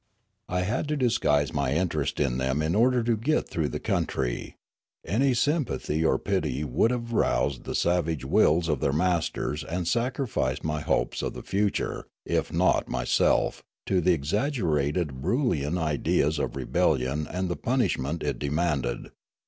I had to disguise my interest in them in order to get through the country. Any sympathy or pity would have roused the savage wills of their masters and sac rificed my hopes of the future, if not myself, to the exaggerated Broolyian ideas of rebellion and the pun ishment it demanded.